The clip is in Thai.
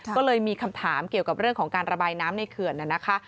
ก็เลยมีคำถามเกี่ยวกับเรื่องของการระบายน้ำในเขื่อนนะคะ